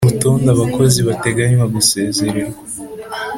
Rutonde abakozi bateganywa gusezererwa